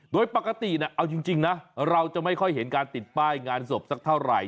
โดยปกติเอาจริงนะเราจะไม่ค่อยเห็นการติดป้ายงานศพสักเท่าไหร่